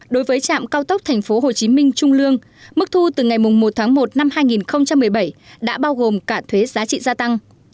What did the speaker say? đối với trạm cao tốc tp hcm trung lương mức thu từ ngày một tháng một năm hai nghìn một mươi bảy đã bao gồm cả thuế giá trị gia tăng